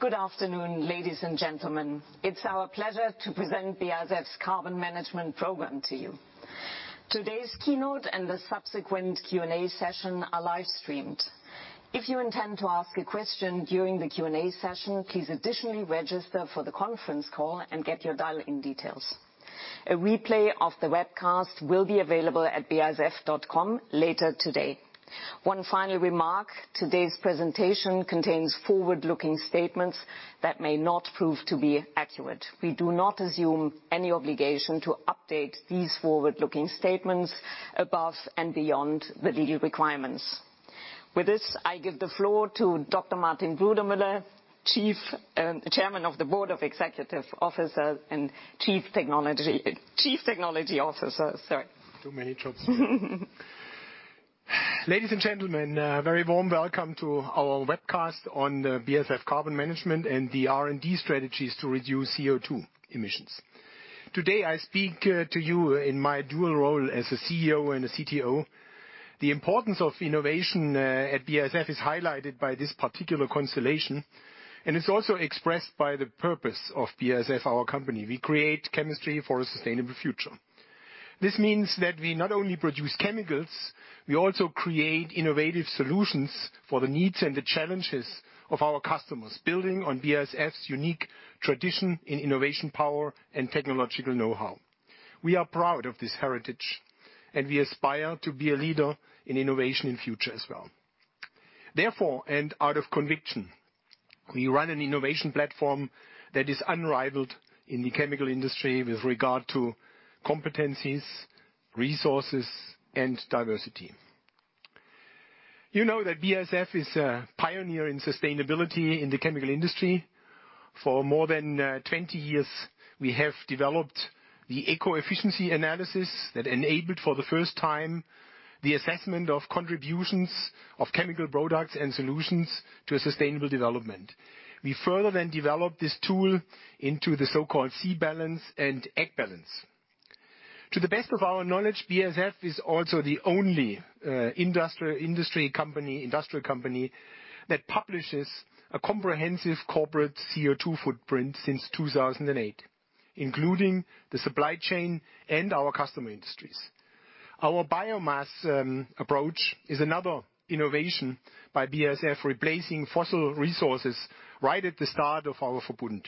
Good afternoon, ladies and gentlemen. It's our pleasure to present BASF's carbon management program to you. Today's keynote and the subsequent Q&A session are live streamed. If you intend to ask a question during the Q&A session, please additionally register for the conference call and get your dial-in details. A replay of the webcast will be available at basf.com later today. One final remark, today's presentation contains forward-looking statements that may not prove to be accurate. We do not assume any obligation to update these forward-looking statements above and beyond the legal requirements. With this, I give the floor to Dr. Martin Brudermüller, Chairman of the Board of Executive Directors and Chief Technology Officer. Sorry. Ladies and gentlemen, a very warm welcome to our webcast on BASF Carbon Management and the R&D strategies to reduce CO₂ emissions. Today, I speak to you in my dual role as a CEO and a CTO. The importance of innovation at BASF is highlighted by this particular constellation, and it's also expressed by the purpose of BASF, our company. We create chemistry for a sustainable future. This means that we not only produce chemicals, we also create innovative solutions for the needs and the challenges of our customers, building on BASF's unique tradition in innovation power and technological know-how. We are proud of this heritage, and we aspire to be a leader in innovation in future as well. Therefore, and out of conviction, we run an innovation platform that is unrivaled in the chemical industry with regard to competencies, resources, and diversity. You know that BASF is a pioneer in sustainability in the chemical industry. For more than 20 years, we have developed the Eco-Efficiency Analysis that enabled for the first time the assessment of contributions of chemical products and solutions to a sustainable development. We further developed this tool into the so-called C-Balance and AgBalance. To the best of our knowledge, BASF is also the only industrial company that publishes a comprehensive corporate CO₂ footprint since 2008, including the supply chain and our customer industries. Our Biomass Balance approach is another innovation by BASF, replacing fossil resources right at the start of our Verbund.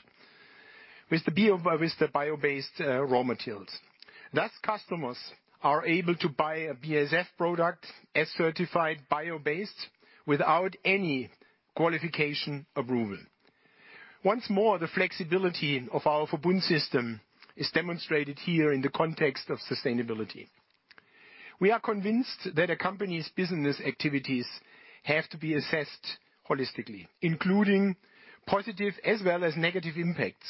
With the bio-based raw materials, customers are able to buy a BASF product as certified bio-based without any qualification approval. Once more, the flexibility of our Verbund system is demonstrated here in the context of sustainability. We are convinced that a company's business activities have to be assessed holistically, including positive as well as negative impacts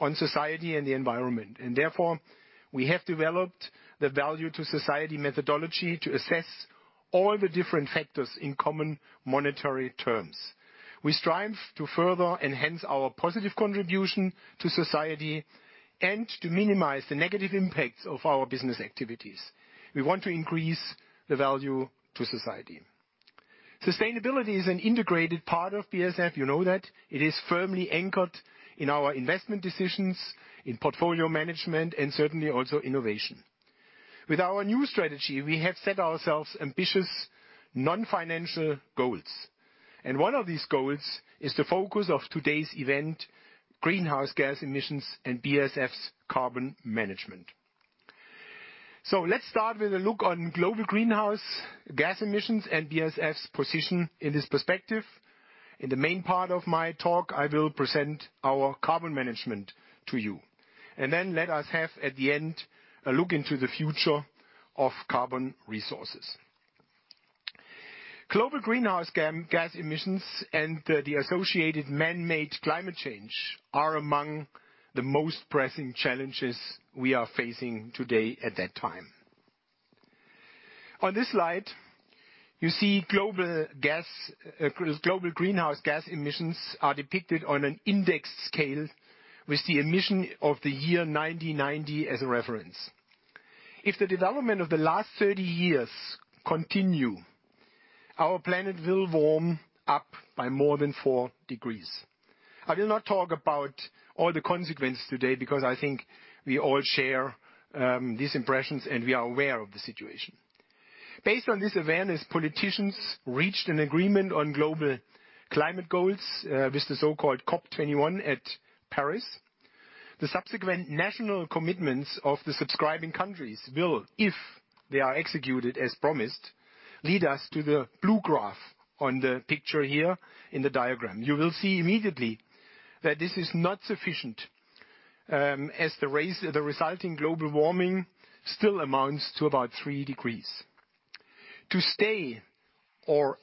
on society and the environment. Therefore, we have developed the Value to Society methodology to assess all the different factors in common monetary terms. We strive to further enhance our positive contribution to society and to minimize the negative impacts of our business activities. We want to increase the Value to Society. Sustainability is an integrated part of BASF, you know that. It is firmly anchored in our investment decisions, in portfolio management, and certainly also innovation. With our new strategy, we have set ourselves ambitious non-financial goals, and one of these goals is the focus of today's event, greenhouse gas emissions and BASF's Carbon Management. Let's start with a look on global greenhouse gas emissions and BASF's position in this perspective. In the main part of my talk, I will present our Carbon Management to you. Let us have, at the end, a look into the future of carbon resources. Global greenhouse gas emissions and the associated man-made climate change are among the most pressing challenges we are facing today at that time. On this slide, you see global greenhouse gas emissions are depicted on an index scale with the emission of the year 1990 as a reference. If the development of the last 30 years continue, our planet will warm up by more than four degrees. I will not talk about all the consequences today because I think we all share these impressions, and we are aware of the situation. Based on this awareness, politicians reached an agreement on global climate goals with the so-called COP 21 at Paris. The subsequent national commitments of the subscribing countries will, if they are executed as promised, lead us to the blue graph on the picture here in the diagram. You will see immediately that this is not sufficient, as the resulting global warming still amounts to about 3 degrees. To stay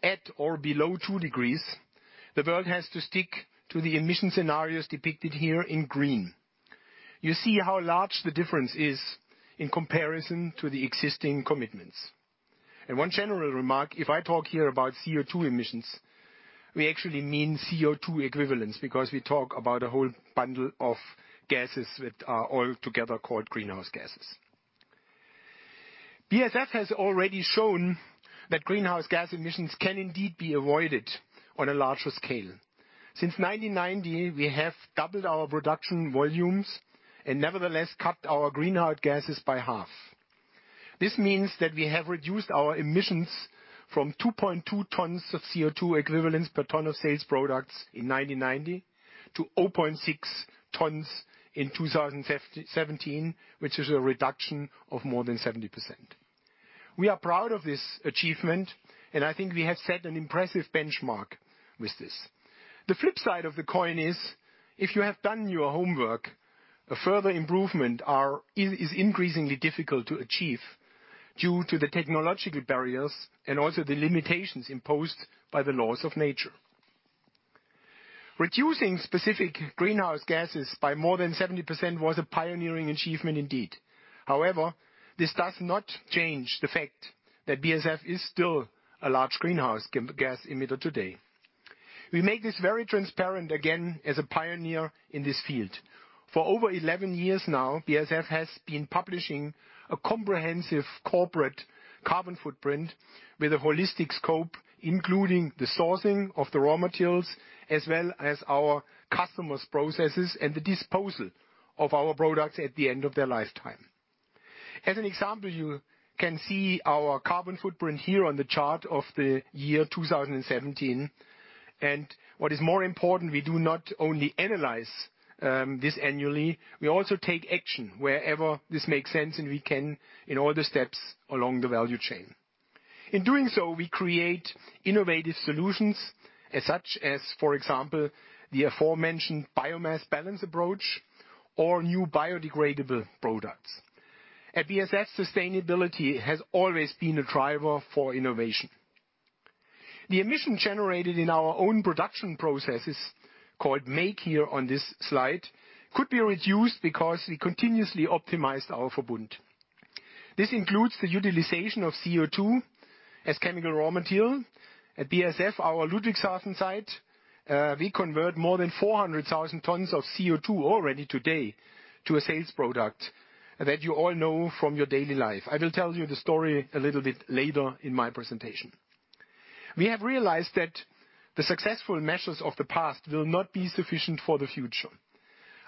at or below 2 degrees, the world has to stick to the emission scenarios depicted here in green. You see how large the difference is in comparison to the existing commitments. One general remark, if I talk here about CO₂ emissions, we actually mean CO₂ equivalents because we talk about a whole bundle of gases that are all together called greenhouse gases. BASF has already shown that greenhouse gas emissions can indeed be avoided on a larger scale. Since 1990, we have doubled our production volumes and nevertheless cut our greenhouse gases by half. This means that we have reduced our emissions from 2.2 tons of CO₂ equivalents per ton of sales products in 1990 to 0.6 tons in 2017, which is a reduction of more than 70%. We are proud of this achievement, and I think we have set an impressive benchmark with this. The flip side of the coin is if you have done your homework, a further improvement is increasingly difficult to achieve due to the technological barriers and also the limitations imposed by the laws of nature. Reducing specific greenhouse gases by more than 70% was a pioneering achievement indeed. However, this does not change the fact that BASF is still a large greenhouse gas emitter today. We make this very transparent again as a pioneer in this field. For over 11 years now, BASF has been publishing a comprehensive corporate carbon footprint with a holistic scope, including the sourcing of the raw materials as well as our customers' processes and the disposal of our products at the end of their lifetime. As an example, you can see our carbon footprint here on the chart of the year 2017. What is more important, we do not only analyze this annually, we also take action wherever this makes sense, and we can in all the steps along the value chain. In doing so, we create innovative solutions such as, for example, the aforementioned Biomass Balance approach or new biodegradable products. At BASF, sustainability has always been a driver for innovation. The emission generated in our own production processes, called Make here on this slide, could be reduced because we continuously optimized our Verbund. This includes the utilization of CO₂ as chemical raw material. At BASF, our Ludwigshafen site, we convert more than 400,000 tons of CO₂ already today to a sales product that you all know from your daily life. I will tell you the story a little bit later in my presentation. We have realized that the successful measures of the past will not be sufficient for the future.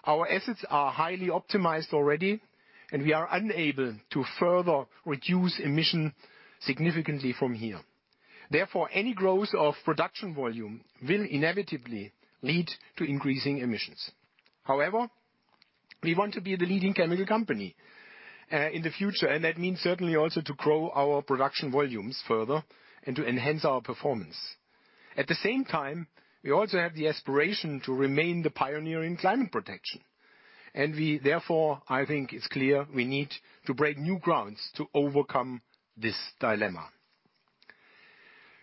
Our assets are highly optimized already, and we are unable to further reduce emission significantly from here. Therefore, any growth of production volume will inevitably lead to increasing emissions. However, we want to be the leading chemical company in the future, and that means certainly also to grow our production volumes further and to enhance our performance. At the same time, we also have the aspiration to remain the pioneer in climate protection. We therefore, I think it's clear we need to break new grounds to overcome this dilemma.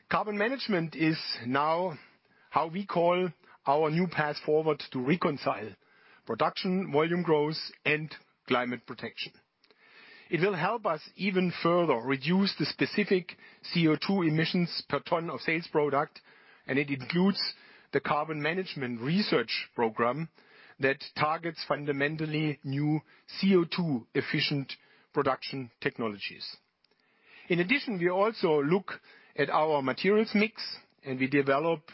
Carbon Management is now how we call our new path forward to reconcile production, volume growth, and climate protection. It will help us even further reduce the specific CO₂ emissions per ton of sales product, and it includes the carbon management research program that targets fundamentally new CO₂-efficient production technologies. In addition, we also look at our materials mix, and we develop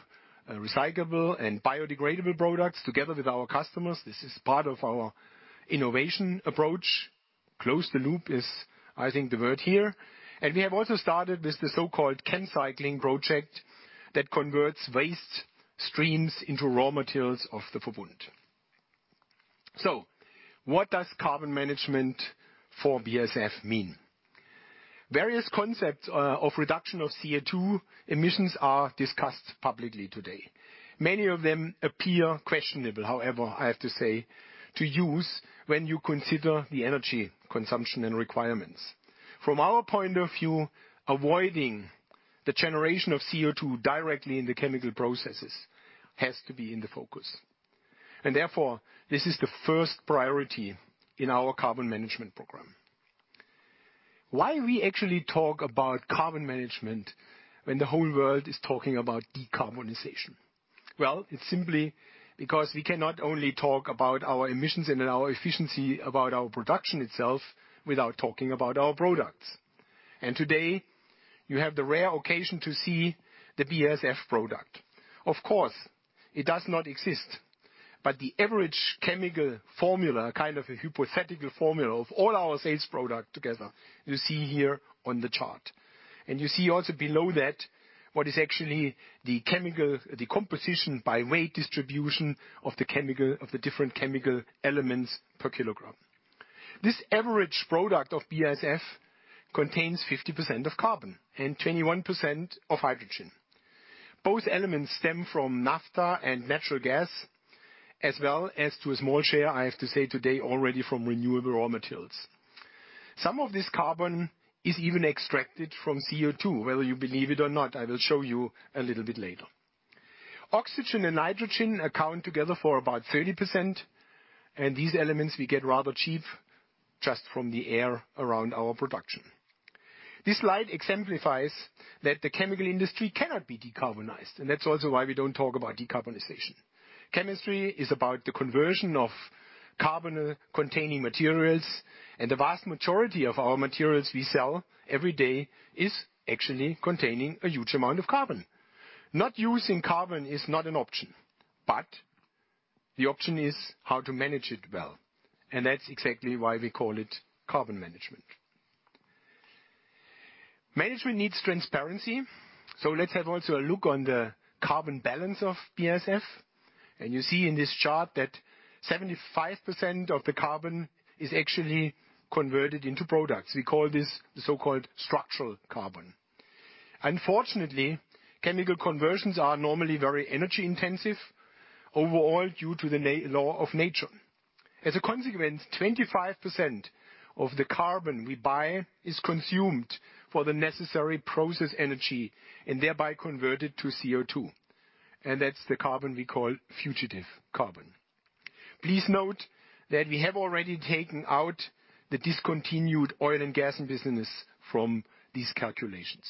recyclable and biodegradable products together with our customers. This is part of our innovation approach. Close the loop is, I think, the word here. We have also started with the so-called ChemCycling project that converts waste streams into raw materials of the Verbund. What does carbon management for BASF mean? Various concepts of reduction of CO₂ emissions are discussed publicly today. Many of them appear questionable, however, I have to say, to use when you consider the energy consumption and requirements. From our point of view, avoiding the generation of CO₂ directly in the chemical processes has to be in the focus. Therefore, this is the first priority in our Carbon Management program. Why do we actually talk about Carbon Management when the whole world is talking about decarbonization? Well, it's simply because we cannot only talk about our emissions and our efficiency about our production itself without talking about our products. Today, you have the rare occasion to see the BASF product. Of course, it does not exist, but the average chemical formula, kind of a hypothetical formula of all our sales product together, you see here on the chart. You see also below that, what is actually the composition by weight distribution of the different chemical elements per kilogram. This average product of BASF contains 50% of carbon and 21% of hydrogen. Both elements stem from naphtha and natural gas, as well as to a small share, I have to say today, already from renewable raw materials. Some of this carbon is even extracted from CO₂, whether you believe it or not, I will show you a little bit later. Oxygen and nitrogen account together for about 30%, and these elements we get rather cheap just from the air around our production. This slide exemplifies that the chemical industry cannot be decarbonized, and that's also why we don't talk about decarbonization. Chemistry is about the conversion of carbon-containing materials, and the vast majority of our materials we sell every day is actually containing a huge amount of carbon. Not using carbon is not an option, but the option is how to manage it well, and that's exactly why we call it Carbon Management. Management needs transparency, so let's have also a look on the carbon balance of BASF. You see in this chart that 75% of the carbon is actually converted into products. We call this the so-called structural carbon. Unfortunately, chemical conversions are normally very energy-intensive overall due to the laws of nature. As a consequence, 25% of the carbon we buy is consumed for the necessary process energy and thereby converted to CO₂. That's the carbon we call fugitive carbon. Please note that we have already taken out the discontinued oil and gas business from these calculations.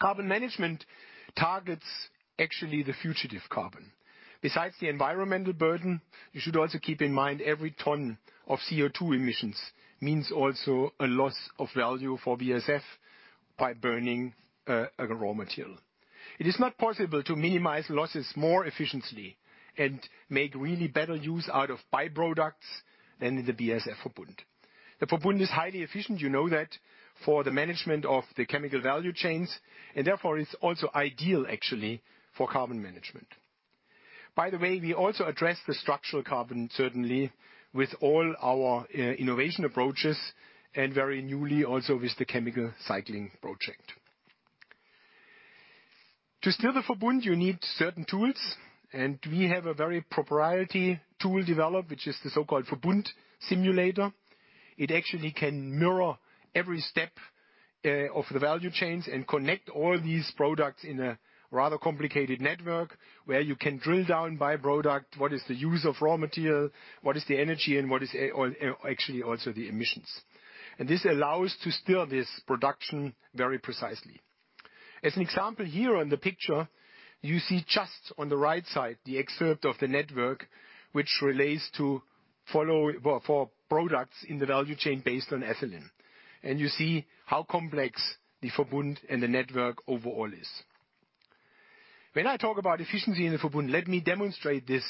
Carbon Management actually targets the fugitive carbon. Besides the environmental burden, you should also keep in mind every ton of CO₂ emissions means also a loss of value for BASF by burning a raw material. It is not possible to minimize losses more efficiently and make really better use out of by-products than in the BASF Verbund. The Verbund is highly efficient, you know that, for the management of the chemical value chains, and therefore it's also ideal actually for carbon management. By the way, we also address the structural carbon, certainly with all our innovation approaches and very newly also with the ChemCycling project. To steer the Verbund, you need certain tools, and we have a very proprietary tool developed, which is the so-called Verbund simulator. It actually can mirror every step of the value chains and connect all these products in a rather complicated network, where you can drill down by-product, what is the use of raw material, what is the energy, and what is actually also the emissions. This allows to steer this production very precisely. As an example here on the picture, you see just on the right side the excerpt of the network which relates to, for products in the value chain based on ethylene. You see how complex the Verbund and the network overall is. When I talk about efficiency in the Verbund, let me demonstrate this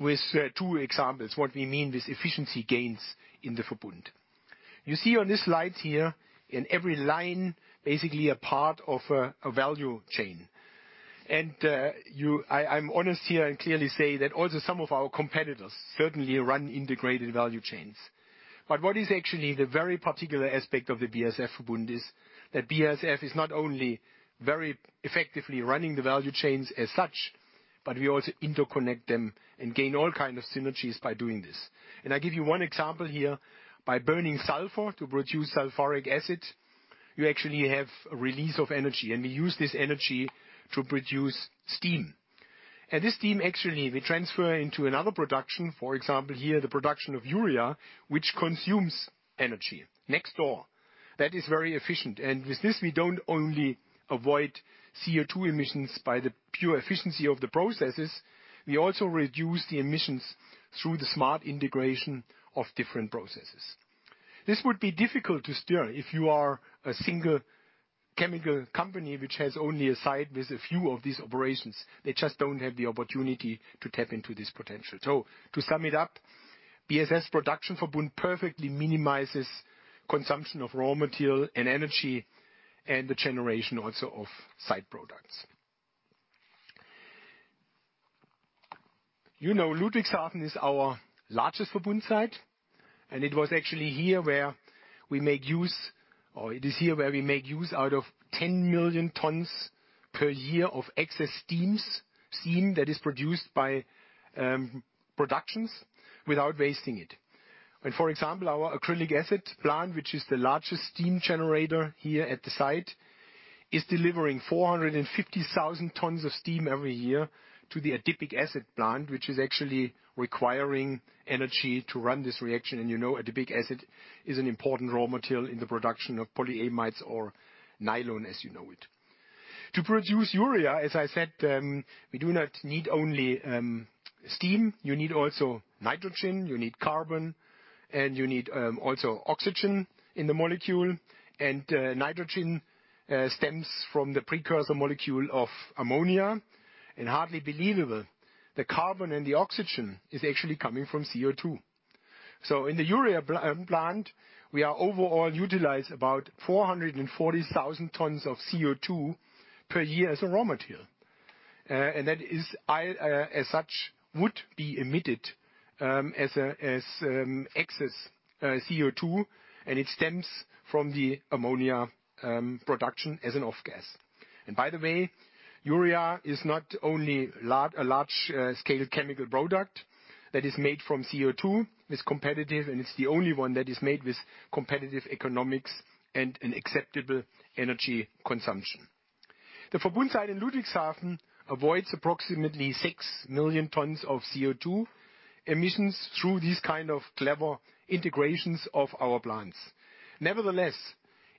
with two examples, what we mean with efficiency gains in the Verbund. You see on this slide here in every line, basically a part of a value chain. I'm honest here and clearly say that also some of our competitors certainly run integrated value chains. What is actually the very particular aspect of the BASF Verbund is that BASF is not only very effectively running the value chains as such, but we also interconnect them and gain all kind of synergies by doing this. I give you one example here. By burning sulfur to produce sulfuric acid, you actually have a release of energy, and we use this energy to produce steam. This steam actually we transfer into another production, for example, here the production of urea, which consumes energy next door. That is very efficient. With this, we don't only avoid CO₂ emissions by the pure efficiency of the processes, we also reduce the emissions through the smart integration of different processes. This would be difficult to steer if you are a single chemical company which has only a site with a few of these operations. They just don't have the opportunity to tap into this potential. To sum it up, BASF production Verbund perfectly minimizes consumption of raw material and energy and the generation also of side products. You know Ludwigshafen is our largest Verbund site, and it is here where we make use out of 10 million tons per year of excess steam that is produced by productions without wasting it. For example, our acrylic acid plant, which is the largest steam generator here at the site, is delivering 450,000 tons of steam every year to the adipic acid plant, which is actually requiring energy to run this reaction. You know adipic acid is an important raw material in the production of polyamides or nylon, as you know it. To produce urea, as I said, we do not need only steam. You need also nitrogen, you need carbon, and you need also oxygen in the molecule. Nitrogen stems from the precursor molecule of ammonia. Hardly believable, the carbon and the oxygen is actually coming from CO₂. In the urea plant, we are overall utilize about 440,000 tons of CO₂ per year as a raw material. That is, as such, would be emitted as excess CO₂, and it stems from the ammonia production as an off gas. By the way, urea is not only a large scale chemical product that is made from CO₂, it's competitive and it's the only one that is made with competitive economics and an acceptable energy consumption. The Verbund site in Ludwigshafen avoids approximately 6 million tons of CO₂ emissions through these kind of clever integrations of our plants. Nevertheless,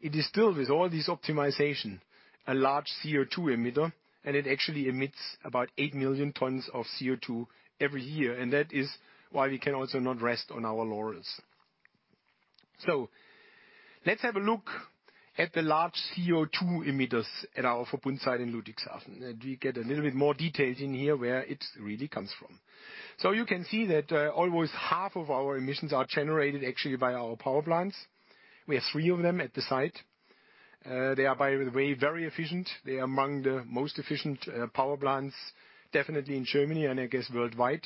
it is still, with all this optimization, a large CO₂ emitter, and it actually emits about 8 million tons of CO₂ every year. That is why we can also not rest on our laurels. Let's have a look at the large CO₂ emitters at our Verbund site in Ludwigshafen, and we get a little bit more details in here where it really comes from. You can see that, almost half of our emissions are generated actually by our power plants. We have three of them at the site. They are, by the way, very efficient. They are among the most efficient power plants, definitely in Germany and, I guess, worldwide,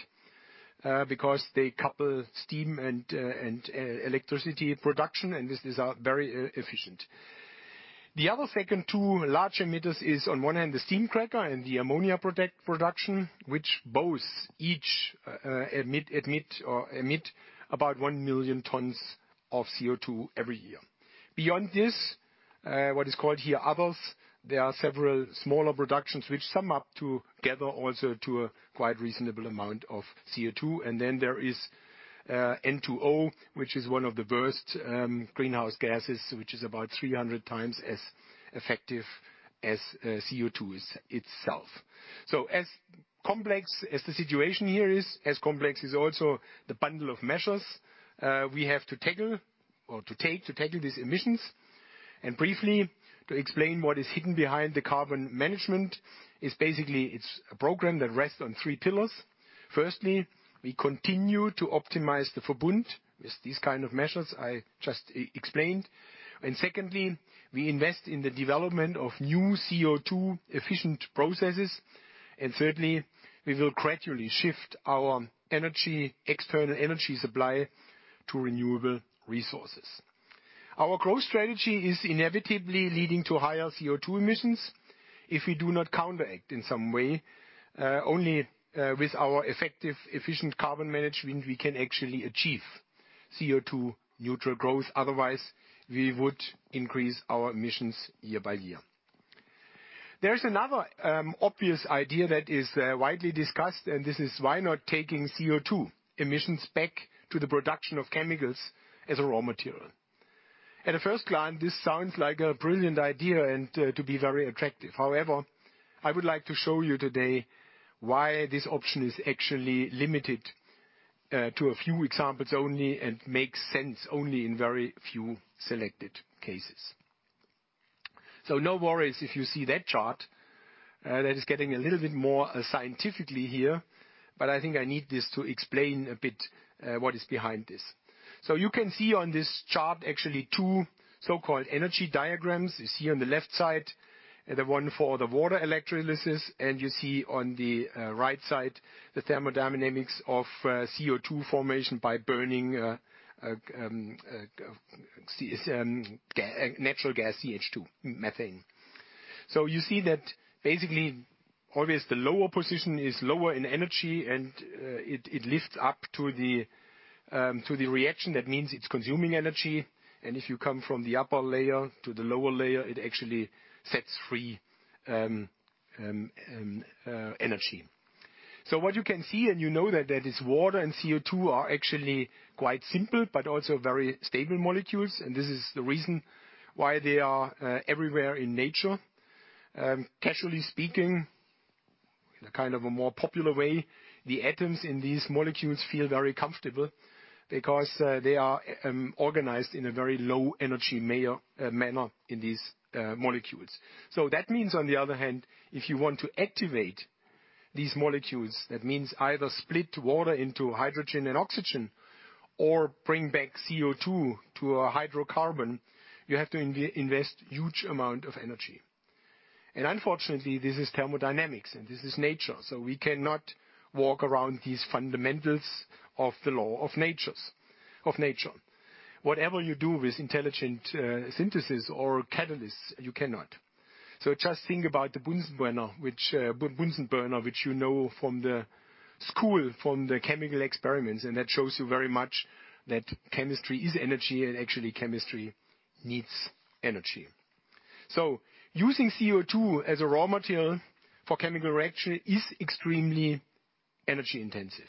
because they couple steam and electricity production, and this is very efficient. The other two large emitters are, on one hand, the steam cracker and the ammonia production, which both emit about 1 million tons of CO₂ every year. Beyond this, what is called here others, there are several smaller productions which sum up together also to a quite reasonable amount of CO₂. Then there is N₂O, which is one of the worst greenhouse gases, which is about 300x as effective as CO₂ is itself. As complex as the situation here is, as complex is also the bundle of measures we have to tackle or to take to tackle these emissions. Briefly, to explain what is hidden behind the Carbon Management is basically it's a program that rests on three pillars. Firstly, we continue to optimize the Verbund with these kind of measures I just explained. Secondly, we invest in the development of new CO₂ efficient processes. Thirdly, we will gradually shift our energy, external energy supply to renewable resources. Our growth strategy is inevitably leading to higher CO₂ emissions if we do not counteract in some way. Only with our effective, efficient Carbon Management, we can actually achieve CO₂ neutral growth. Otherwise, we would increase our emissions year by year. There's another obvious idea that is widely discussed, and this is why not taking CO₂ emissions back to the production of chemicals as a raw material. At a first glance, this sounds like a brilliant idea and to be very attractive. However, I would like to show you today why this option is actually limited to a few examples only and makes sense only in very few selected cases. No worries if you see that chart. That is getting a little bit more scientifically here, but I think I need this to explain a bit what is behind this. You can see on this chart actually two so-called energy diagrams. You see on the left side, the one for the water electrolysis, and you see on the right side, the thermodynamics of CO₂ formation by burning natural gas, CH₄, methane. You see that basically, always the lower position is lower in energy and it lifts up to the reaction. That means it's consuming energy. If you come from the upper layer to the lower layer, it actually sets free energy. What you can see, and you know that is water and CO₂, are actually quite simple, but also very stable molecules, and this is the reason why they are everywhere in nature. Casually speaking, in a kind of a more popular way, the atoms in these molecules feel very comfortable because they are organized in a very low energy manner in these molecules. That means, on the other hand, if you want to activate these molecules, that means either split water into hydrogen and oxygen or bring back CO₂ to a hydrocarbon, you have to invest huge amount of energy. Unfortunately, this is thermodynamics, and this is nature. We cannot walk around these fundamentals of the law of nature. Whatever you do with intelligent synthesis or catalysts, you cannot. Just think about the Bunsen burner, which you know from the school, from the chemical experiments. That shows you very much that chemistry is energy, and actually, chemistry needs energy. Using CO₂ as a raw material for chemical reaction is extremely energy-intensive.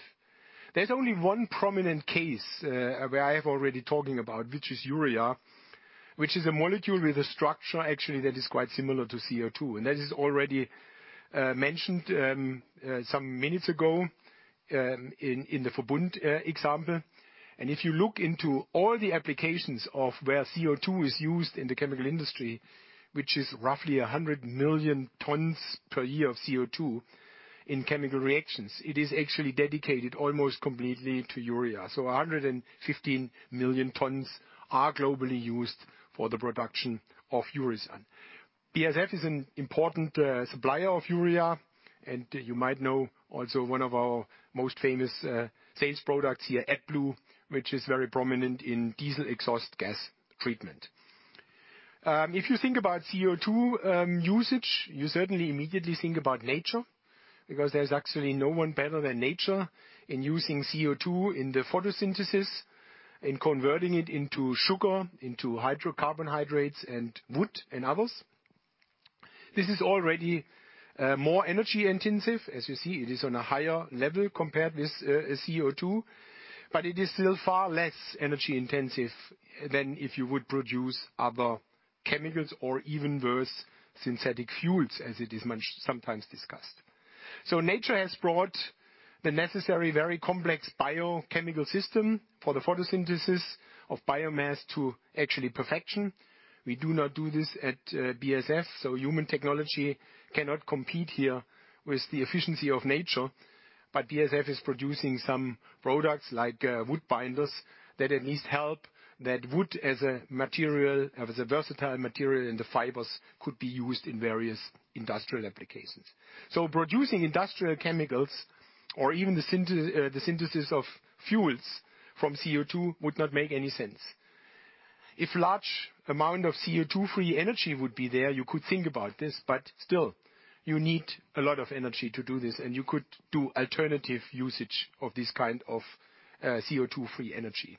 There's only one prominent case, where I have already talking about, which is urea. Which is a molecule with a structure actually that is quite similar to CO₂, and that is already mentioned some minutes ago in the Verbund example. If you look into all the applications of where CO₂ is used in the chemical industry, which is roughly 100 million tons per year of CO₂ in chemical reactions, it is actually dedicated almost completely to urea. 115 million tons are globally used for the production of urea. BASF is an important supplier of urea, and you might know also one of our most famous sales products here, AdBlue, which is very prominent in diesel exhaust gas treatment. If you think about CO₂ usage, you certainly immediately think about nature. Because there's actually no one better than nature in using CO₂ in the photosynthesis, in converting it into sugar, into hydrocarbon hydrates and wood and others. This is already more energy intensive. As you see, it is on a higher level compared with CO₂, but it is still far less energy intensive than if you would produce other chemicals or, even worse, synthetic fuels, as it is sometimes discussed. Nature has brought the necessary, very complex biochemical system for the photosynthesis of biomass to actually perfection. We do not do this at BASF, so human technology cannot compete here with the efficiency of nature. BASF is producing some products like wood binders that at least help that wood as a material, as a versatile material, and the fibers could be used in various industrial applications. Producing industrial chemicals or even the synthesis of fuels from CO₂ would not make any sense. If large amount of CO₂ free energy would be there, you could think about this, but still, you need a lot of energy to do this, and you could do alternative usage of this kind of CO₂ free energy.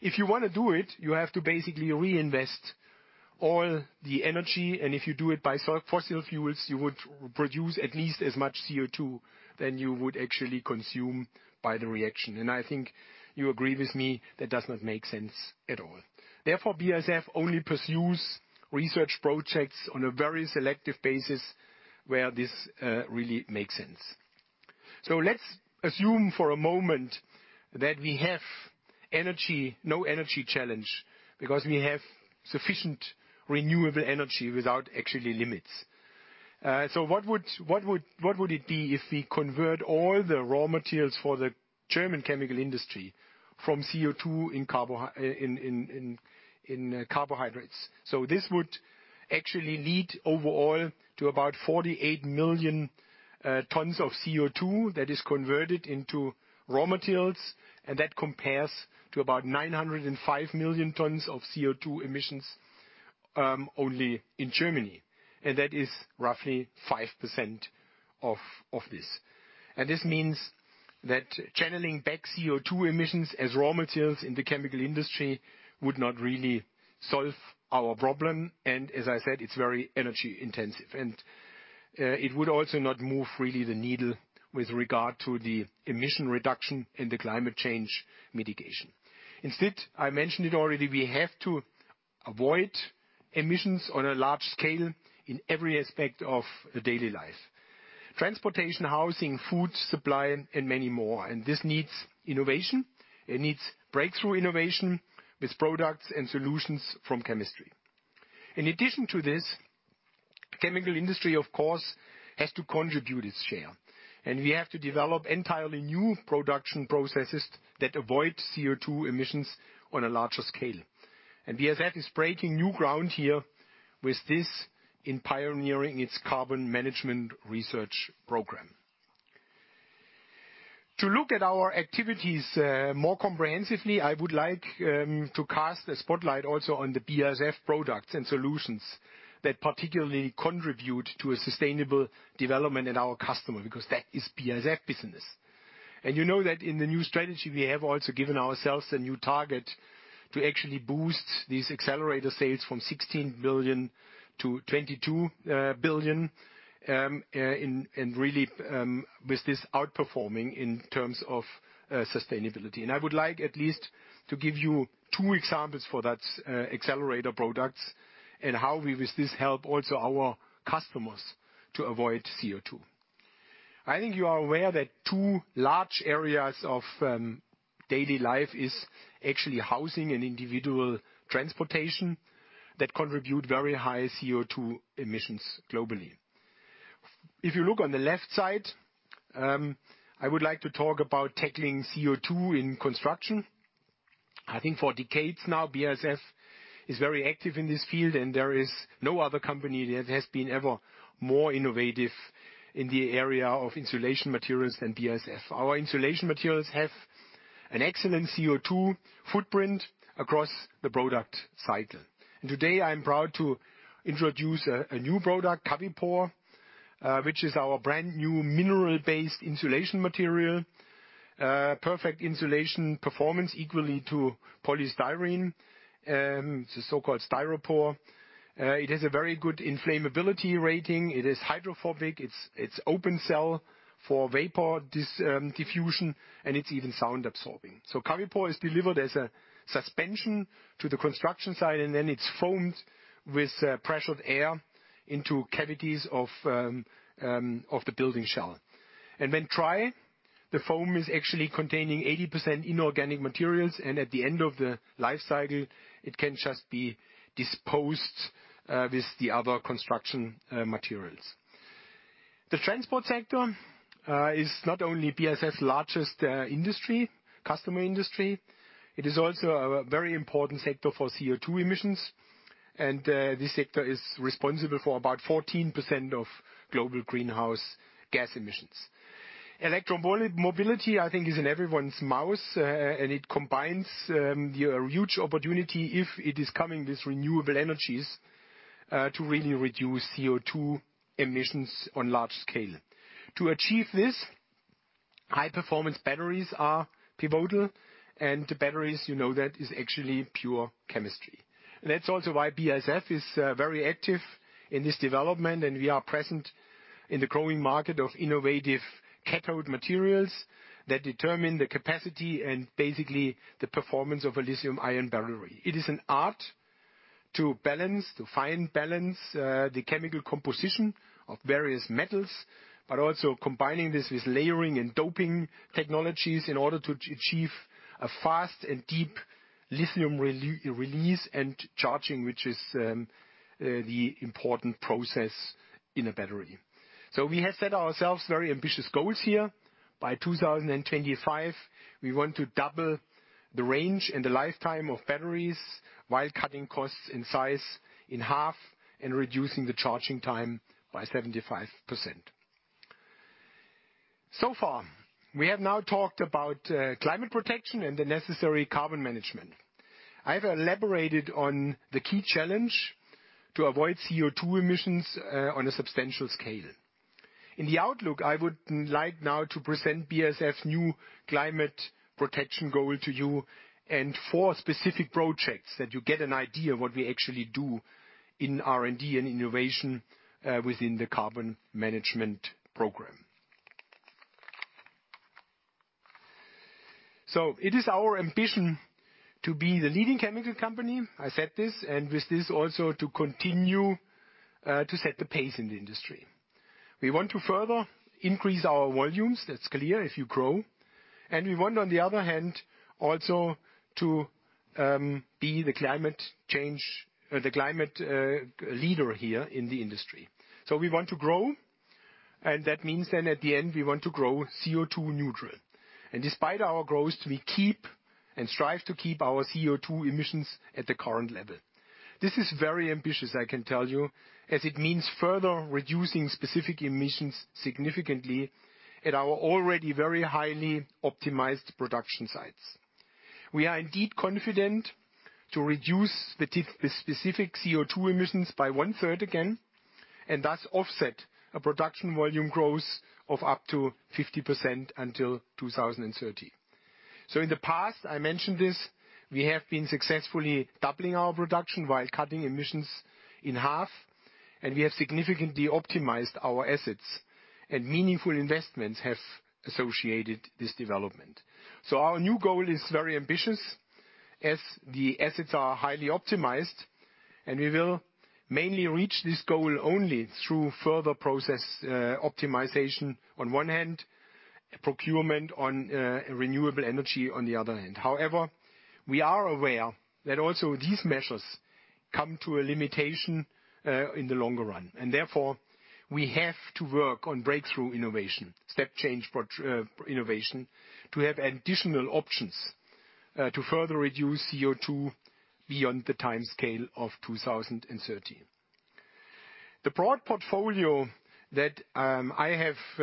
If you wanna do it, you have to basically reinvest all the energy, and if you do it by fossil fuels, you would produce at least as much CO₂ than you would actually consume by the reaction. I think you agree with me, that does not make sense at all. Therefore, BASF only pursues research projects on a very selective basis where this really makes sense. Let's assume for a moment that we have no energy challenge because we have sufficient renewable energy without actual limits. What would it be if we convert all the raw materials for the German chemical industry from CO₂ into carbohydrates? This would actually lead overall to about 48 million tons of CO₂ that is converted into raw materials, and that compares to about 905 million tons of CO₂ emissions only in Germany. That is roughly 5% of this. This means that channeling back CO₂ emissions as raw materials in the chemical industry would not really solve our problem. As I said, it's very energy intensive. It would also not move really the needle with regard to the emission reduction in the climate change mitigation. Instead, I mentioned it already, we have to avoid emissions on a large scale in every aspect of daily life. Transportation, housing, food supply, and many more. This needs innovation. It needs breakthrough innovation with products and solutions from chemistry. In addition to this, chemical industry, of course, has to contribute its share. We have to develop entirely new production processes that avoid CO₂ emissions on a larger scale. BASF is breaking new ground here within pioneering its Carbon Management research program. To look at our activities more comprehensively, I would like to cast a spotlight also on the BASF products and solutions that particularly contribute to a sustainable development in our customers, because that is BASF business. You know that in the new strategy, we have also given ourselves a new target to actually boost these Accelerator sales from 16 billion-22 billion in really with this outperforming in terms of sustainability. I would like at least to give you two examples for that, Accelerator products and how we with this help also our customers to avoid CO₂. I think you are aware that two large areas of daily life is actually housing and individual transportation that contribute very high CO₂ emissions globally. If you look on the left side, I would like to talk about tackling CO₂ in construction. I think for decades now, BASF is very active in this field and there is no other company that has been ever more innovative in the area of insulation materials than BASF. Our insulation materials have an excellent CO₂ footprint across the product cycle. Today, I am proud to introduce a new product, Cavipor, which is our brand new mineral-based insulation material. Perfect insulation performance equal to polystyrene. It's a so-called Styropor. It has a very good flammability rating. It is hydrophobic, it's open cell for vapor diffusion, and it's even sound absorbing. Cavipor is delivered as a suspension to the construction site, and then it's foamed with pressurized air into cavities of the building shell. When dry, the foam is actually containing 80% inorganic materials, and at the end of the life cycle, it can just be disposed with the other construction materials. The transport sector is not only BASF's largest industry, customer industry, it is also a very important sector for CO₂ emissions. This sector is responsible for about 14% of global greenhouse gas emissions. Electric mobility, I think, is in everyone's mouth, and it combines a huge opportunity if it is coming with renewable energies to really reduce CO₂ emissions on large scale. To achieve this, high performance batteries are pivotal, and batteries, you know that is actually pure chemistry. That's also why BASF is very active in this development, and we are present in the growing market of innovative cathode materials that determine the capacity and basically the performance of a lithium-ion battery. It is an art to fine-balance the chemical composition of various metals, but also combining this with layering and doping technologies in order to achieve a fast and deep lithium release and charging, which is the important process in a battery. We have set ourselves very ambitious goals here. By 2025, we want to double the range and the lifetime of batteries while cutting costs and size in half and reducing the charging time by 75%. So far, we have now talked about climate protection and the necessary carbon management. I've elaborated on the key challenge to avoid CO₂ emissions on a substantial scale. In the outlook, I would like now to present BASF's new climate protection goal to you and four specific projects that you get an idea what we actually do in R&D and innovation within the Carbon Management program. It is our ambition to be the leading chemical company. I said this, and with this also to continue to set the pace in the industry. We want to further increase our volumes. That's clear if you grow. We want, on the other hand, also to be the climate leader here in the industry. We want to grow, and that means then at the end, we want to grow CO₂ neutral. Despite our growth, we keep and strive to keep our CO₂ emissions at the current level. This is very ambitious, I can tell you, as it means further reducing specific emissions significantly at our already very highly optimized production sites. We are indeed confident to reduce the specific CO₂ emissions by one-third again, and thus offset a production volume growth of up to 50% until 2030. In the past, I mentioned this, we have been successfully doubling our production while cutting emissions in half, and we have significantly optimized our assets, and meaningful investments have associated this development. Our new goal is very ambitious as the assets are highly optimized, and we will mainly reach this goal only through further process optimization on one hand, procurement on renewable energy on the other hand. However, we are aware that also these measures come to a limitation in the longer run, and therefore, we have to work on breakthrough innovation, step change for innovation, to have additional options to further reduce CO₂ beyond the timescale of 2030. The broad portfolio that I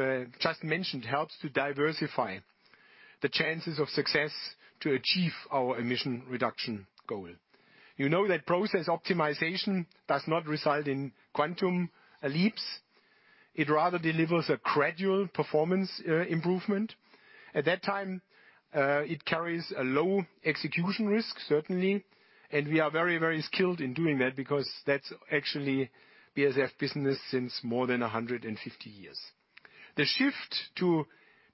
have just mentioned helps to diversify the chances of success to achieve our emission reduction goal. You know that process optimization does not result in quantum leaps. It rather delivers a gradual performance improvement. At that time, it carries a low execution risk, certainly, and we are very, very skilled in doing that because that's actually BASF business since more than 150 years. The shift to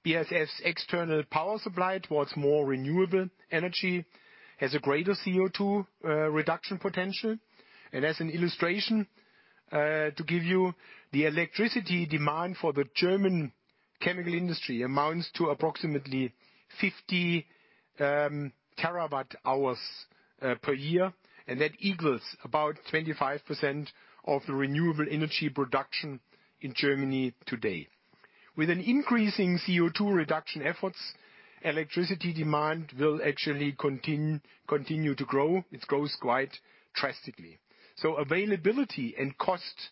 BASF's external power supply towards more renewable energy has a greater CO₂ reduction potential. As an illustration, to give you the electricity demand for the German chemical industry amounts to approximately 50 TWh per year, and that equals about 25% of the renewable energy production in Germany today. With an increasing CO₂ reduction efforts, electricity demand will actually continue to grow. It grows quite drastically. Availability and cost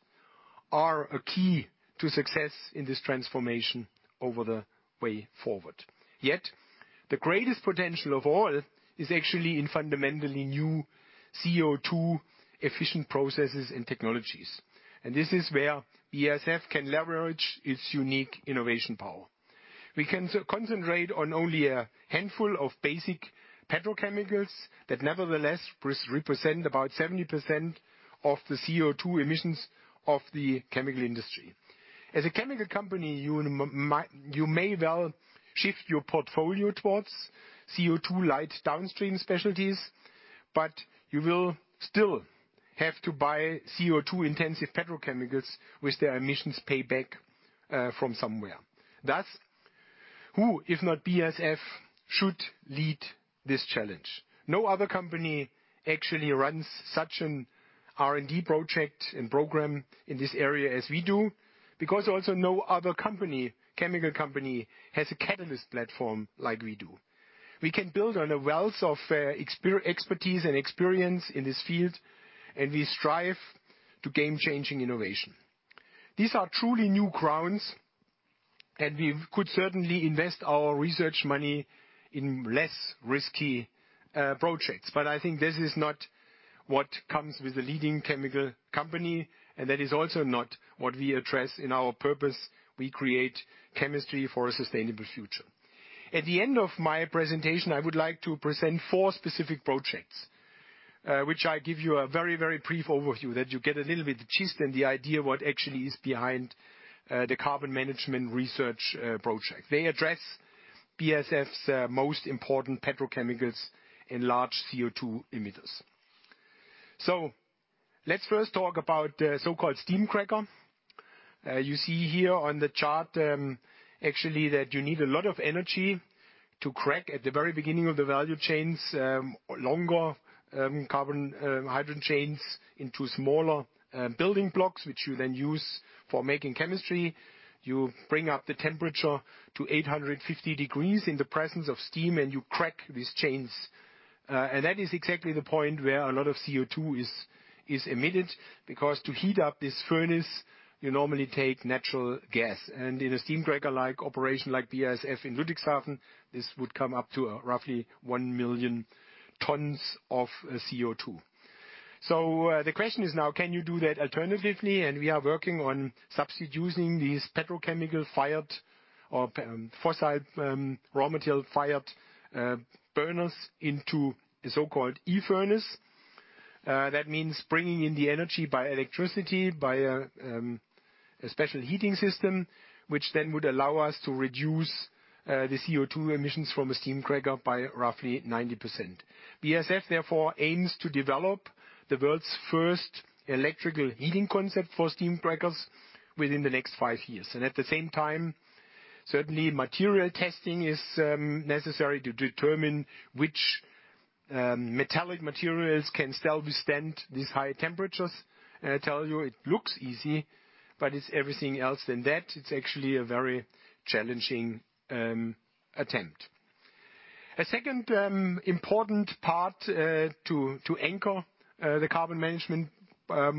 are a key to success in this transformation over the way forward. Yet, the greatest potential of all is actually in fundamentally new CO₂ efficient processes and technologies. This is where BASF can leverage its unique innovation power. We can concentrate on only a handful of basic petrochemicals that nevertheless represent about 70% of the CO₂ emissions of the chemical industry. As a chemical company, you may well shift your portfolio towards CO₂ light downstream specialties, but you will still have to buy CO₂-intensive petrochemicals with their emissions payback from somewhere. Thus, who, if not BASF, should lead this challenge? No other company actually runs such an R&D project and program in this area as we do, because also no other company, chemical company, has a catalyst platform like we do. We can build on a wealth of expertise and experience in this field, and we strive to game-changing innovation. These are truly new grounds. We could certainly invest our research money in less risky projects. But I think this is not what comes with a leading chemical company, and that is also not what we address in our purpose. We create chemistry for a sustainable future. At the end of my presentation, I would like to present four specific projects, which I give you a very brief overview that you get a little bit gist and the idea what actually is behind, the Carbon Management research project. They address BASF's most important petrochemicals and large CO₂ emitters. Let's first talk about the so-called steam cracker. You see here on the chart, actually that you need a lot of energy to crack at the very beginning of the value chains, longer carbon hydrogen chains into smaller building blocks, which you then use for making chemistry. You bring up the temperature to 850 degrees in the presence of steam, and you crack these chains. That is exactly the point where a lot of CO₂ is emitted because to heat up this furnace, you normally take natural gas. In a steam cracker like operation like BASF in Ludwigshafen, this would come up to roughly 1 million tons of CO₂. The question is now, can you do that alternatively? We are working on substituting these petrochemical fired or fossil raw material fired burners into the so-called e-furnace. That means bringing in the energy by electricity by a special heating system, which then would allow us to reduce the CO₂ emissions from a steam cracker by roughly 90%. BASF therefore aims to develop the world's first electrical heating concept for steam crackers within the next five years. At the same time, certainly material testing is necessary to determine which metallic materials can still withstand these high temperatures. I tell you it looks easy, but it's everything else than that. It's actually a very challenging attempt. A second important part to anchor the Carbon Management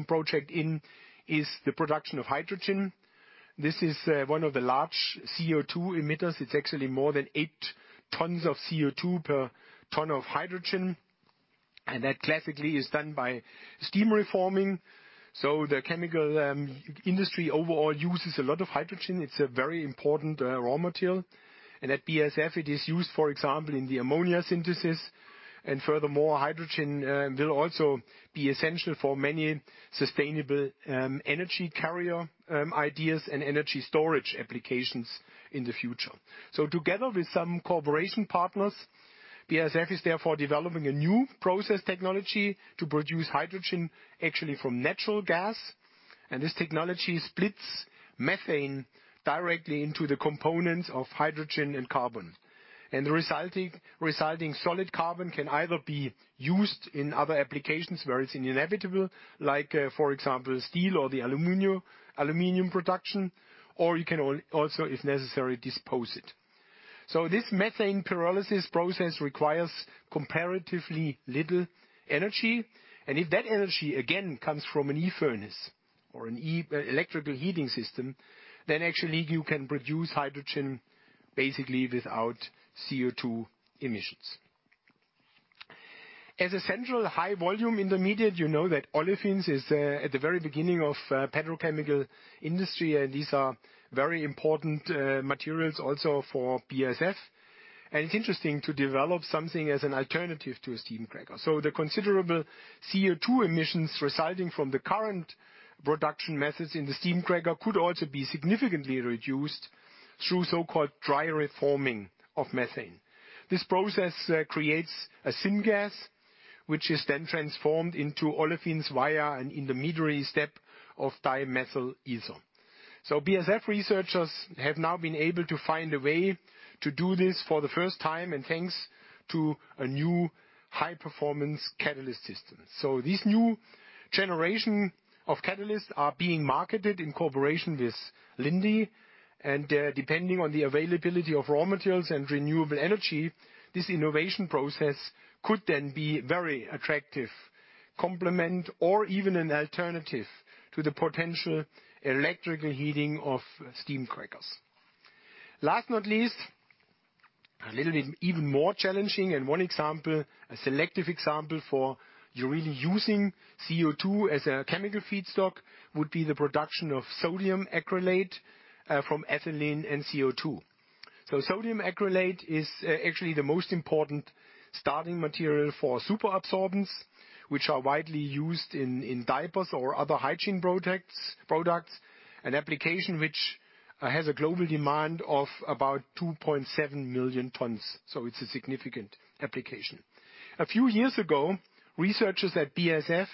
project in is the production of hydrogen. This is one of the large CO₂ emitters. It's actually more than 8 tons of CO₂ per ton of hydrogen, and that classically is done by steam reforming. The chemical industry overall uses a lot of hydrogen. It's a very important raw material. At BASF it is used, for example, in the ammonia synthesis. Furthermore, hydrogen will also be essential for many sustainable energy carrier ideas and energy storage applications in the future. Together with some cooperation partners, BASF is therefore developing a new process technology to produce hydrogen actually from natural gas. This technology splits methane directly into the components of hydrogen and carbon. The resulting solid carbon can either be used in other applications where it's inevitable, like, for example, steel or the aluminum production, or you can also, if necessary, dispose it. This methane pyrolysis process requires comparatively little energy, and if that energy again comes from an e-furnace or an electrical heating system, then actually you can produce hydrogen basically without CO₂ emissions. As a central high volume intermediate, you know that olefins is at the very beginning of petrochemical industry and these are very important materials also for BASF. It's interesting to develop something as an alternative to a steam cracker. The considerable CO₂ emissions resulting from the current production methods in the steam cracker could also be significantly reduced through so-called dry reforming of methane. This process creates a syngas, which is then transformed into olefins via an intermediary step of dimethyl ether. BASF researchers have now been able to find a way to do this for the first time and thanks to a new high performance catalyst system. This new generation of catalysts are being marketed in cooperation with Linde. Depending on the availability of raw materials and renewable energy, this innovation process could then be very attractive complement or even an alternative to the potential electrical heating of steam crackers. Last but not least, a little even more challenging, one example, a specific example where we really use CO₂ as a chemical feedstock would be the production of sodium acrylate from ethylene and CO₂. Sodium acrylate is actually the most important starting material for superabsorbents, which are widely used in diapers or other hygiene products. An application which has a global demand of about 2.7 million tons. It's a significant application. A few years ago, researchers at BASF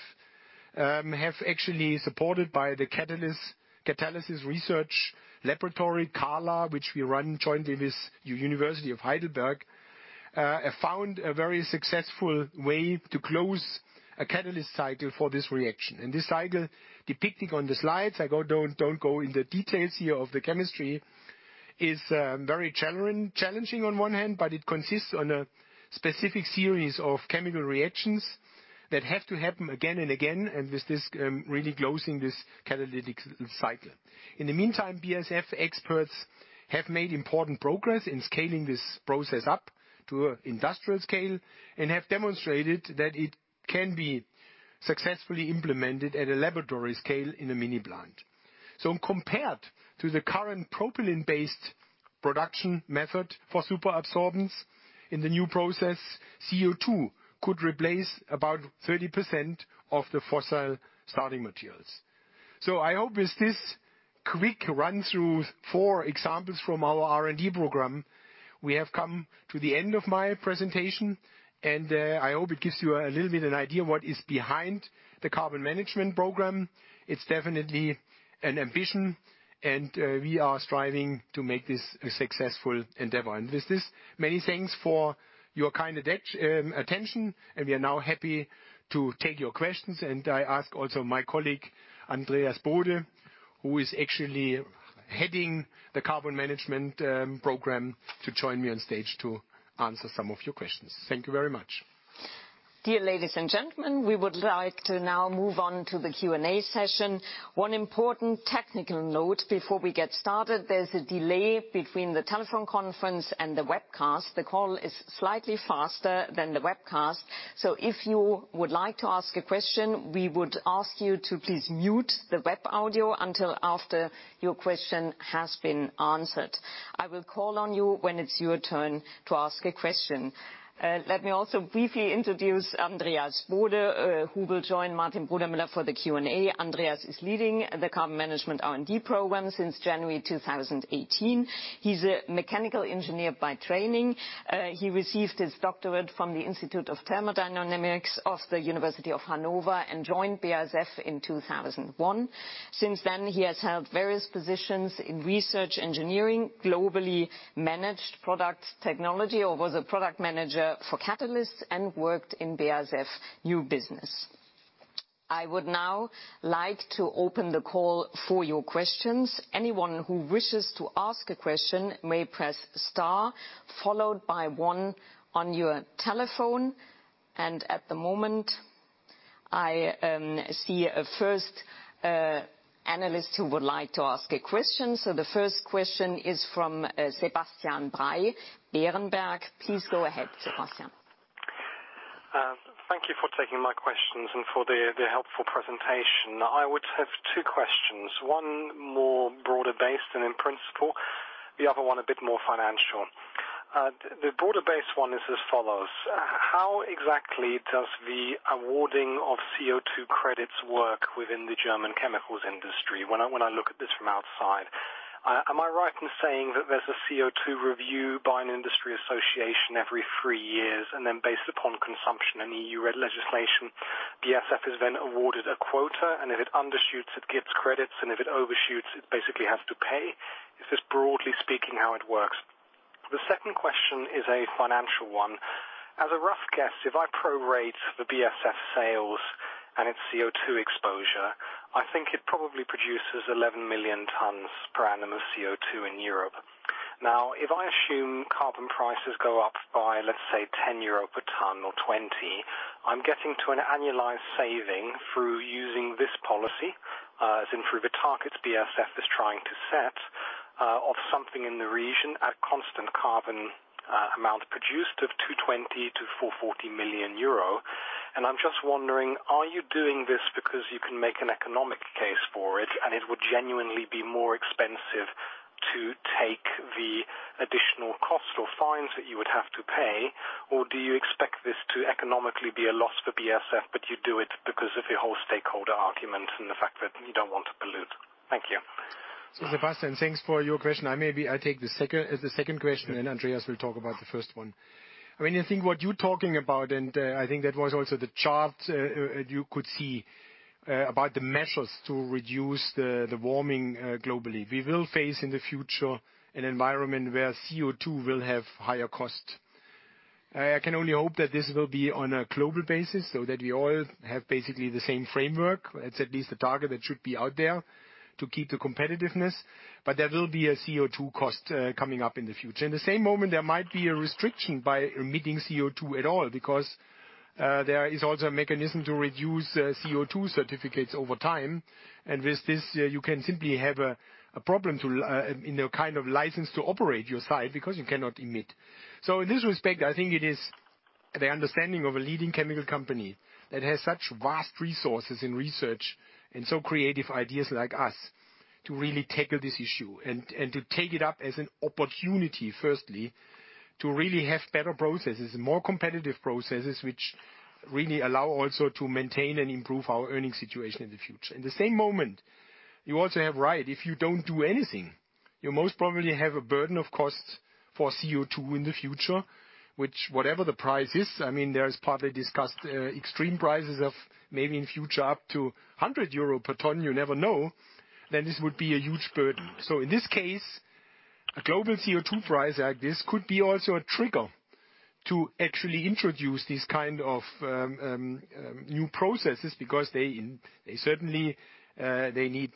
have actually, supported by the Catalysis Research Laboratory, CaRLa, which we run jointly with Heidelberg University, found a very successful way to close a catalyst cycle for this reaction. This cycle depicted on the slides, I don't go into the details here of the chemistry. It is very challenging on one hand, but it consists on a specific series of chemical reactions that have to happen again and again, and with this, really closing this catalytic cycle. In the meantime, BASF experts have made important progress in scaling this process up to industrial scale and have demonstrated that it can be successfully implemented at a laboratory scale in a mini plant. Compared to the current propylene-based production method for superabsorbents, in the new process, CO₂ could replace about 30% of the fossil starting materials. I hope with this quick run-through of four examples from our R&D program, we have come to the end of my presentation, and I hope it gives you a little bit an idea what is behind the Carbon Management program. It is definitely an ambition, and we are striving to make this a successful endeavor. With this, many thanks for your kind attention, and we are now happy to take your questions. I ask also my colleague, Andreas Bode, who is actually heading the Carbon Management program, to join me on stage to answer some of your questions. Thank you very much. Dear ladies and gentlemen, we would like to now move on to the Q&A session. One important technical note before we get started, there's a delay between the telephone conference and the webcast. The call is slightly faster than the webcast. If you would like to ask a question, we would ask you to please mute the web audio until after your question has been answered. I will call on you when it's your turn to ask a question. Let me also briefly introduce Andreas Bode, who will join Martin Brudermüller for the Q&A. Andreas is leading the Carbon Management R&D program since January 2018. He's a mechanical engineer by training. He received his doctorate from the Institute of Thermodynamics of the Leibniz University Hannover and joined BASF in 2001. Since then, he has held various positions in research engineering, globally managed product technology, or was a product manager for catalysts and worked in BASF new business. I would now like to open the call for your questions. Anyone who wishes to ask a question may press star followed by one on your telephone. At the moment, I see a first analyst who would like to ask a question. The first question is from Sebastian Bray, Berenberg. Please go ahead, Sebastian. Thank you for taking my questions and for the helpful presentation. I would have two questions, one more broader-based and in principle, the other one a bit more financial. The broader-based one is as follows. How exactly does the awarding of CO₂ credits work within the German chemicals industry? When I look at this from outside, am I right in saying that there's a CO₂ review by an industry association every three years, and then based upon consumption and EU legislation, BASF is then awarded a quota, and if it undershoots, it gets credits, and if it overshoots, it basically has to pay? Is this, broadly speaking, how it works? The second question is a financial one. As a rough guess, if I prorate the BASF sales and its CO₂ exposure, I think it probably produces 11 million tons per annum of CO₂ in Europe. Now, if I assume carbon prices go up by, let's say, 10 euro per ton or 20, I'm getting to an annualized saving through using this policy, as in through the targets BASF is trying to set, of something in the region at constant carbon, amount produced of 220 million-440 million euro. I'm just wondering, are you doing this because you can make an economic case for it and it would genuinely be more expensive to take the additional cost or fines that you would have to pay? Do you expect this to economically be a loss for BASF, but you do it because of your whole stakeholder argument and the fact that you don't want to pollute? Thank you. Sebastian, thanks for your question. I maybe take the second question, and Andreas will talk about the first one. I mean, I think what you're talking about, and I think that was also the chart you could see about the measures to reduce the warming globally. We will face in the future an environment where CO₂ will have higher cost. I can only hope that this will be on a global basis so that we all have basically the same framework. That's at least the target that should be out there to keep the competitiveness. There will be a CO₂ cost coming up in the future. In the same moment, there might be a restriction by emitting CO₂ at all because there is also a mechanism to reduce CO₂ certificates over time. With this, you can simply have a problem, you know, kind of license to operate your site because you cannot emit. In this respect, I think it is the understanding of a leading chemical company that has such vast resources in research and so creative ideas like us to really tackle this issue and to take it up as an opportunity, firstly, to really have better processes and more competitive processes which really allow also to maintain and improve our earnings situation in the future. In the same moment, you also have right. If you don't do anything, you most probably have a burden of cost for CO₂ in the future, which whatever the price is, I mean, there is partly discussed extreme prices of maybe in future up to 100 euro per ton, you never know, then this would be a huge burden. In this case, a global CO₂ price like this could be also a trigger to actually introduce these kind of new processes because they certainly need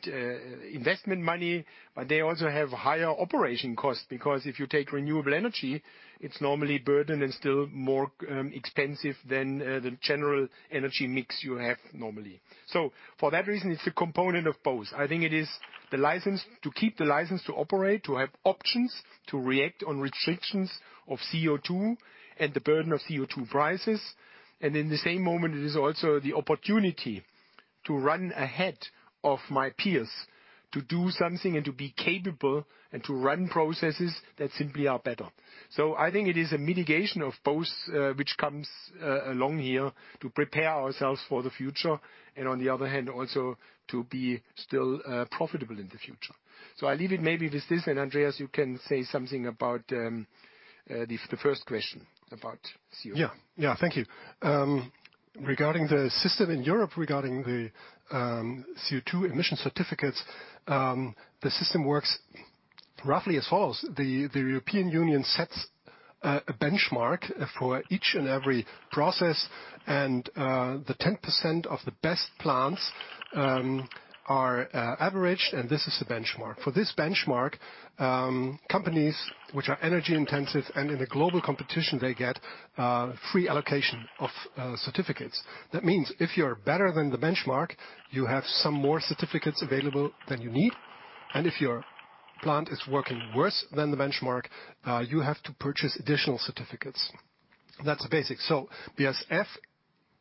investment money, but they also have higher operating costs. Because if you take renewable energy, it's normally burden and still more expensive than the general energy mix you have normally. For that reason, it's a component of both. I think it is the license to keep the license to operate, to have options to react on restrictions of CO₂ and the burden of CO₂ prices. In the same moment, it is also the opportunity to run ahead of my peers, to do something and to be capable, and to run processes that simply are better. I think it is a mitigation of both, which comes along here to prepare ourselves for the future, and on the other hand, also to be still profitable in the future. I'll leave it maybe with this, and Andreas, you can say something about the first question about CO. Yeah. Yeah, thank you. Regarding the system in Europe, regarding the CO₂ emission certificates, the system works roughly as follows: the European Union sets a benchmark for each and every process and the 10% of the best plants are averaged, and this is the benchmark. For this benchmark, companies which are energy-intensive and in a global competition, they get free allocation of certificates. That means if you're better than the benchmark, you have some more certificates available than you need, and if your plant is working worse than the benchmark, you have to purchase additional certificates. That's the basic. BASF,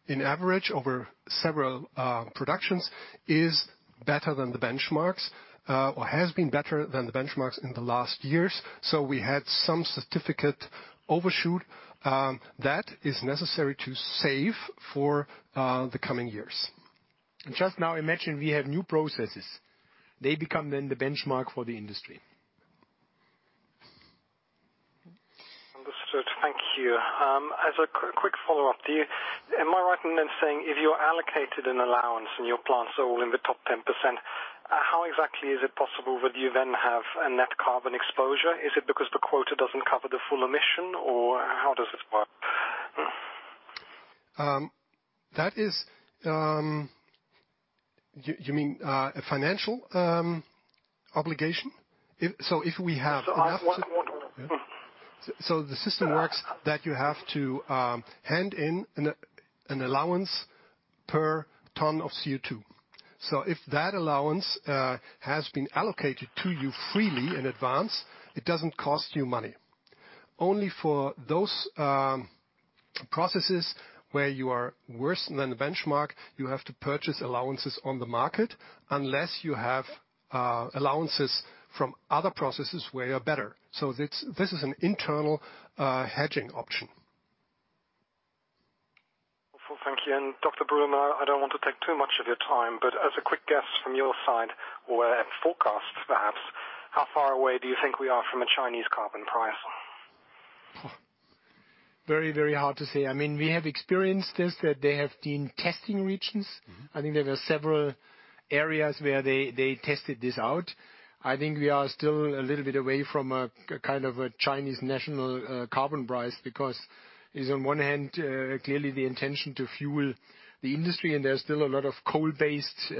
in average over several productions, is better than the benchmarks or has been better than the benchmarks in the last years. We had some certificate overshoot that is necessary to save for the coming years. Just now imagine we have new processes. They become then the benchmark for the industry. Understood. Thank you. As a quick follow-up, am I right in then saying if you're allocated an allowance and your plants are all in the top 10%, how exactly is it possible that you then have a net carbon exposure? Is it because the quota doesn't cover the full emission, or how does it work? That is, you mean a financial obligation? If so, if we have- I want The system works that you have to hand in an allowance per ton of CO₂. If that allowance has been allocated to you freely in advance, it doesn't cost you money. Only for those processes where you are worse than the benchmark, you have to purchase allowances on the market, unless you have allowances from other processes where you're better. This is an internal hedging option. Well, thank you. Dr. Brudermüller, I don't want to take too much of your time, but as a quick guess from your side or a forecast, perhaps, how far away do you think we are from a Chinese carbon price? Very, very hard to say. I mean, we have experienced this, that they have been testing regions. I think there were several areas where they tested this out. I think we are still a little bit away from a kind of Chinese national carbon price, because it's on one hand clearly the intention to fuel the industry, and there's still a lot of coal-based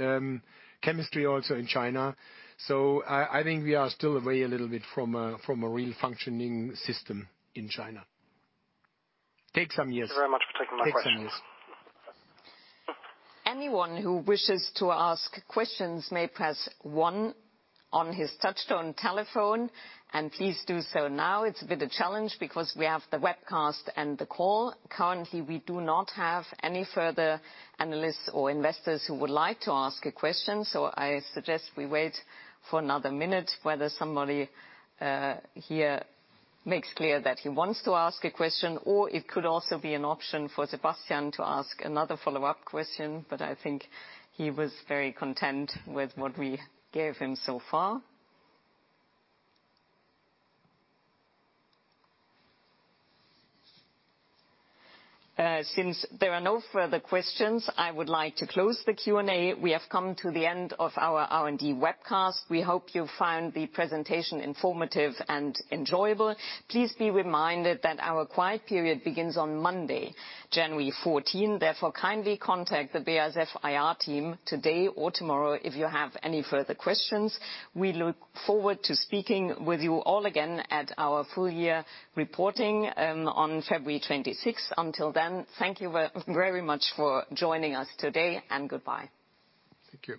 chemistry also in China. I think we are still a little bit away from a real functioning system in China. Takes some years. Thank you very much for taking my question. Takes some years. Anyone who wishes to ask questions may press one on his touch-tone telephone, and please do so now. It's a bit of a challenge because we have the webcast and the call. Currently, we do not have any further analysts or investors who would like to ask a question, so I suggest we wait for another minute, whether somebody here makes clear that he wants to ask a question, or it could also be an option for Sebastian to ask another follow-up question. I think he was very content with what we gave him so far. Since there are no further questions, I would like to close the Q&A. We have come to the end of our R&D webcast. We hope you found the presentation informative and enjoyable. Please be reminded that our quiet period begins on Monday, January 14th. Therefore, kindly contact the BASF IR team today or tomorrow if you have any further questions. We look forward to speaking with you all again at our full-year reporting on February 26th. Until then, thank you very much for joining us today, and goodbye. Thank you.